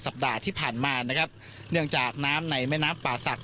สัปดาห์ที่ผ่านมานะครับเนื่องจากน้ำในแม่น้ำป่าศักดิ